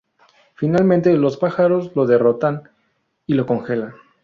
Finalmente los pájaros lo derrotan y lo congelan.